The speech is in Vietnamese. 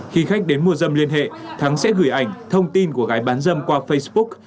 khi khách đến mua dâm liên hệ thắng sẽ gửi ảnh thông tin của gái bán dâm qua facebook